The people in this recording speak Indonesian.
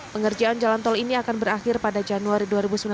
pengerjaan jalan tol ini akan berakhir pada januari dua ribu sembilan belas